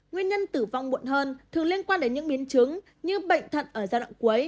nguyên nhân tử vong muộn hơn thường liên quan đến những biến chứng như bệnh thận ở giai đoạn cuối